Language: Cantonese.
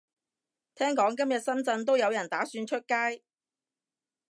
聽講今日深圳都有人打算出街